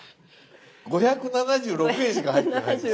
５７６円しか入ってないんですけど。